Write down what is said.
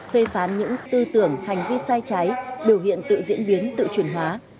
phê phán những tư tưởng hành vi sai trái biểu hiện tự diễn biến tự chuyển hóa